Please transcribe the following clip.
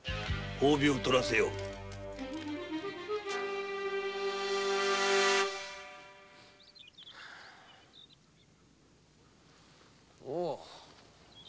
褒美をとらせよう。ホゥ